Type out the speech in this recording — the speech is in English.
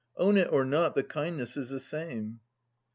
Own it or not, the kindness is the same.